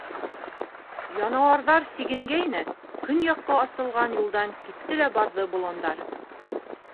Януарҙар сигенгәйне, көньяҡҡа асылған юлдан китте лә барҙы боландар.